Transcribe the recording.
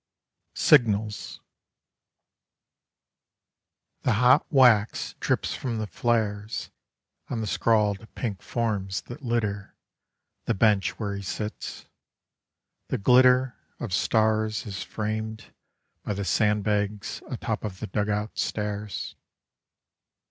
SIGNALS The hot wax drips from the flares On the scrawled pink forms that litter The bench where he sits; the glitter Of stars is framed by the sandbags atop of the dug out stairs.